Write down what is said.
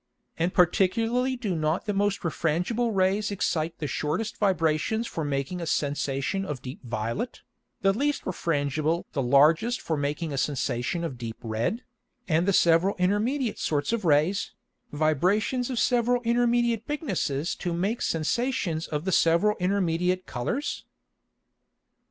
And particularly do not the most refrangible Rays excite the shortest Vibrations for making a Sensation of deep violet, the least refrangible the largest for making a Sensation of deep red, and the several intermediate sorts of Rays, Vibrations of several intermediate bignesses to make Sensations of the several intermediate Colours?